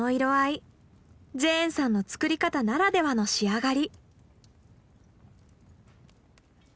ジェーンさんの作り方ならではの仕上がり。